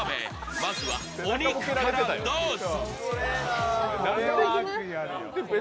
まずはお肉からどうぞ。